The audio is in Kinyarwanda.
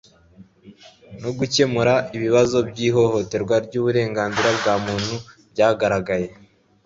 no gukemura ibibazo by' ihohoterwa ry' uburenganzira bwa muntu byagaragaye